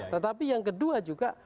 tetapi yang kedua juga